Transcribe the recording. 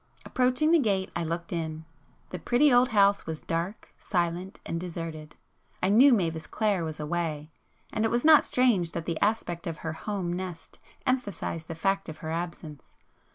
Approaching the gate I looked in,—the pretty old house was dark, silent and deserted. I knew Mavis Clare was away,—and it was not strange that the aspect of her home nest emphasized the fact of her absence.